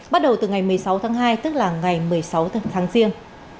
bắt đầu từ ngày một mươi sáu tháng hai tức là ngày một mươi sáu tháng riêng